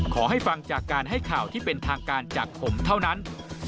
ขอให้ฟังจากการให้ข่าวที่เป็นทางการจากผมเท่านั้น